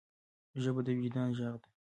ژبه د وجدان ږغ ده.